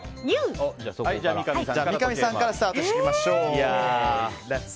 三上さんからスタートしていきましょう。